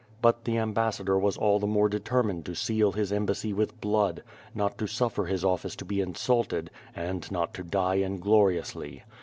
'* But the ambassador was all the more determined to seal his embassy with blood; not to suffer his office to be insulted, and not to die ingloriously.